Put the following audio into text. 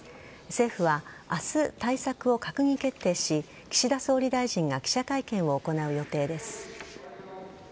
政府は明日、対策を閣議決定し岸田総理大臣が記者会見を行う予定です。